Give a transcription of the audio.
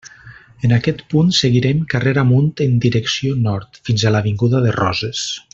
En aquest punt, seguirem carrer amunt, en direcció nord, fins a l'avinguda de Roses.